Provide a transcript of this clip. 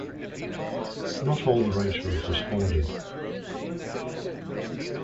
Not all the writers responded.